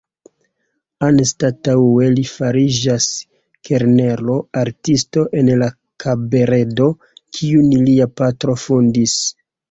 Anstataŭe li fariĝas kelnero-artisto en la kabaredo, kiun lia patro fondis.